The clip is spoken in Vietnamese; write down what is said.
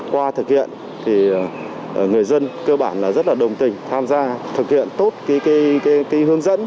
qua thực hiện thì người dân cơ bản rất là đồng tình tham gia thực hiện tốt hướng dẫn